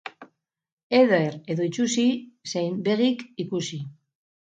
Eder edo itsusi, zein begik ikusi.